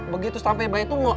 begitu sampai baik itu